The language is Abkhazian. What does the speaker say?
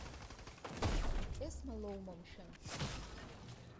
Есма лоума, мшәан?!